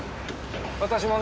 私もね